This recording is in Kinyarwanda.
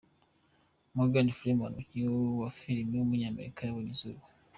Morgan Freeman, umukinnyi wa filime w’umunyamerika yabonye izuba.